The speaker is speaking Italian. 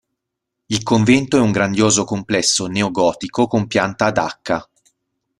Il convento è un grandioso complesso neogotico con pianta ad "H".